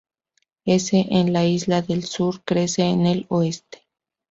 S. En la Isla del Sur crece en el oeste.